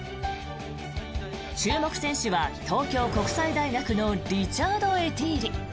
注目選手は東京国際大学のリチャード・エティーリ。